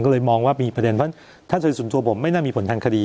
ก็เลยมองว่ามีประเด็นเพราะฉะส่วนตัวผมไม่น่ามีผลทางคดี